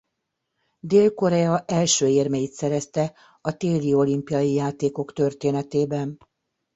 Dél-Korea első érmeit szerezte a téli olimpiai játékok történetében.